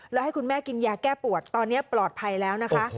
แล้วให้คุณแม่กินยาแก้ปวดตอนนี้ปลอดภัยแล้วนะคะ